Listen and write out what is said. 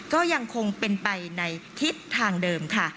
ก็ยังคงเป็นไปในทิศทางเดิมค่ะ